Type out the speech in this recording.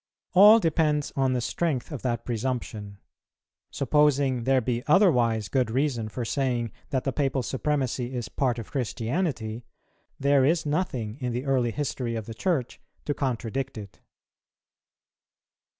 All depends on the strength of that presumption. Supposing there be otherwise good reason for saying that the Papal Supremacy is part of Christianity, there is nothing in the early history of the Church to contradict it.